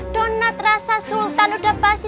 donat rasa sultan udah pasti